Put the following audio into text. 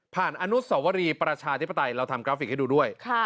อนุสวรีประชาธิปไตยเราทำกราฟิกให้ดูด้วย